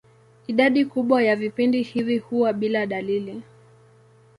Idadi kubwa ya vipindi hivi huwa bila dalili.